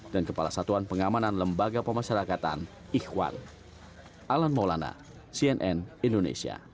dan kepala satuan pengamanan lembaga pemasyarakatan ikhwan